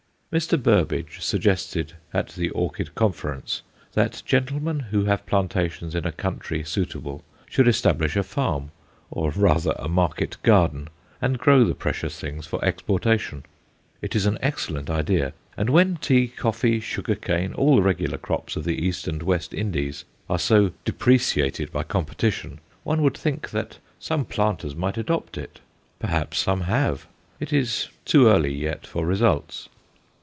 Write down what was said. Mr. Burbidge suggested at the Orchid Conference that gentlemen who have plantations in a country suitable should establish a "farm," or rather a market garden, and grow the precious things for exportation. It is an excellent idea, and when tea, coffee, sugar cane, all the regular crops of the East and West Indies, are so depreciated by competition, one would think that some planters might adopt it. Perhaps some have; it is too early yet for results.